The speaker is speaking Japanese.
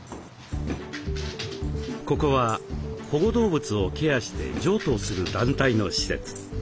ここは保護動物をケアして譲渡をする団体の施設。